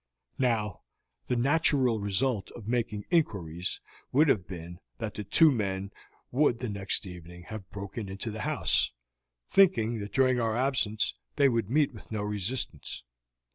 Now, the natural result of making inquiries would have been that the two men would the next evening have broken into the house, thinking that during our absence they would meet with no resistance.